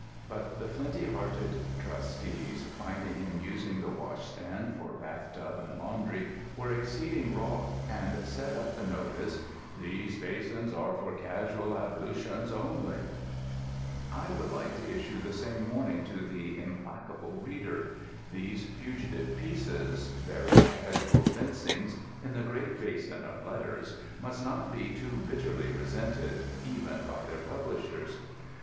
But the flinty hearted trustees, finding him using the wash stand for bath tub and laundry, were exceeding wroth, and set up the notice THESE BASINS ARE FOR CASUAL ABLUTIONS ONLY I would like to issue the same warning to the implacable reader: these fugitive pieces, very casual rinsings in the great basin of letters, must not be too bitterly resented, even by their publishers.